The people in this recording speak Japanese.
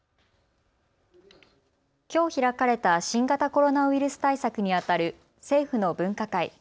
きょう開かれた新型コロナウイルス対策にあたる政府の分科会。